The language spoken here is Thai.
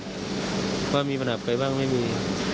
บอกว่ามีก้อนหาแก๊วบ้างไม่มี